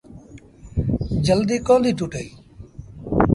جلديٚ ڪونديٚ ٽُٽي۔